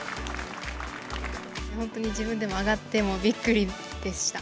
本当に自分でも上がってびっくりでした。